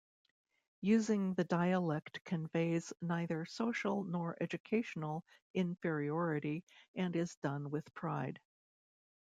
Using the dialect conveys neither social nor educational inferiority and is done with pride.